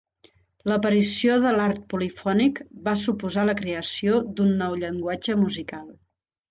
L'aparició de l'art polifònic va suposar la creació d'un nou llenguatge musical.